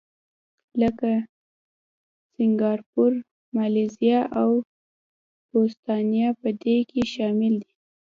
لکه سینګاپور، مالیزیا او بوتسوانا په دې کې شامل دي.